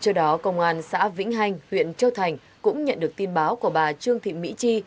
trước đó công an xã vĩnh hành huyện châu thành cũng nhận được tin báo của bà trương thị mỹ chi